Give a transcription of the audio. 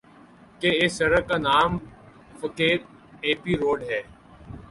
کہ اِس سڑک کا نام فقیر ایپی روڈ ہے